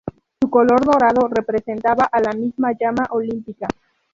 Su color dorado representaba a la misma llama olímpica.